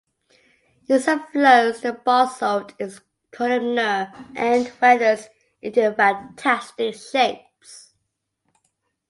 In some flows the basalt is columnar end weathers into fantastic shapes.